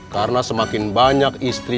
karena semakin banyak istri